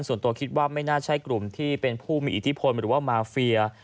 ส่วนตัวคิดว่าไม่น่าใช่กลุ่มที่เป็นผู้มีอิทธิพลหรือว่ามาเฟีย